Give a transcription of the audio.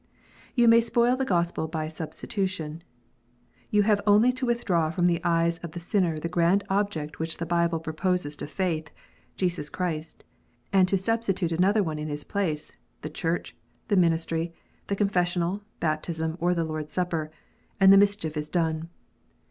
You may spoil the Gospel by substitution. You have only to withdraw from the eyes of the sinner the grand object which the Bible proposes to faith, Jesus Christ ; and to substitute another object in His place, the Church, the Ministry, the Confessional, Baptism, or the Lord s Supper, and the mischief is done.